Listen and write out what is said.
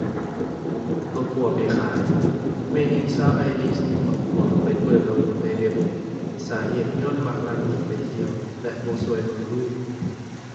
ເອົາຜົວໄປຂາຍ ແມ່ຍິງຊາວໄອຣິສ ເອົາຜົວໄປເປີດປະມູນໃນເວັບ ສາເຫດຍ້ອນມັກລັກໜີໄປທ່ຽວ ແລະ ບໍ່ຊ່ວຍເບິ່ງລູກ